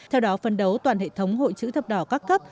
theo đó phân đấu toàn hệ thống hội chữ thập đỏ các cấp